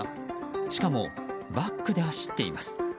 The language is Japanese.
しかもバックで走っています。